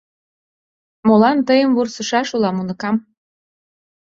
— Молан тыйым вурсышаш улам, уныкам?